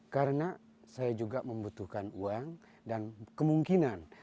karena saya juga membutuhkan uang dan kemungkinan